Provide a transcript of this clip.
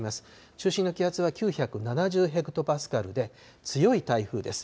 中心の気圧は９７０ヘクトパスカルで、強い台風です。